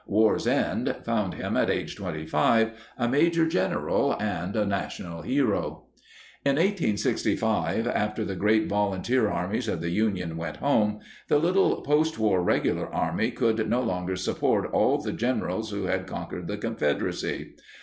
War's end found him, at age 25, a major general and a national hero. In 1865, after the great volunteer armies of the Union went home, the little postwar regular Army could no longer support all the generals who had conquered the Confederacy.